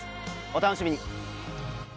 お楽しみに。